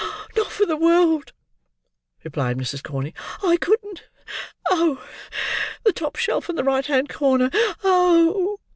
"Not for the world!" replied Mrs. Corney. "I couldn't,—oh! The top shelf in the right hand corner—oh!"